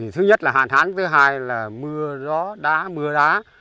thứ nhất là hẳn hán thứ hai là mưa